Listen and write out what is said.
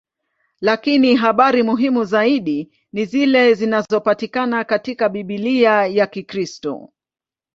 Lakini habari muhimu zaidi ni zile zinazopatikana katika Biblia ya Kikristo.